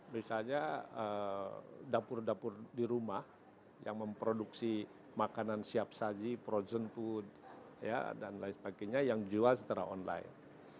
misalnya dapur dapur di rumah yang memproduksi makanan siap saji frozen food dan lain sebagainya yang dijual secara online